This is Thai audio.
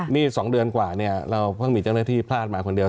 นี่๒เดือนกว่าเนี่ยเราเพิ่งมีเจ้าหน้าที่พลาดมาคนเดียว